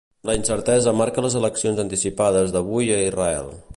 La incertesa marca les eleccions anticipades d'avui a Israel.